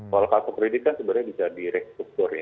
kalau kartu kredit kan sebenarnya bisa di restruktur ya